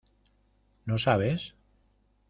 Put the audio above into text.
¿ no sabes?